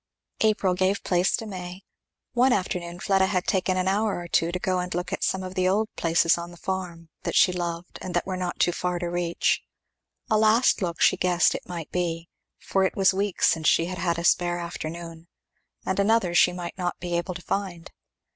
April gave place to May. One afternoon Fleda had taken an hour or two to go and look at some of the old places on the farm, that she loved and that were not too far to reach. A last look she guessed it might be, for it was weeks since she had had a spare afternoon, and another she might not he able to find.